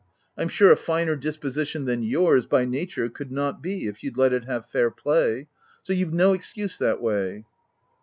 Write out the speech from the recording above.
I'm sure a finer dis position than yours, by nature, could not be, if you'd let it have fair play ; so you've no excuse that way.''